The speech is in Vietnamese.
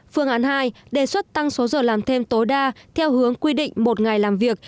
phương án hai đề xuất tăng số giờ làm thêm tối đa theo hướng quy định một ngày làm việc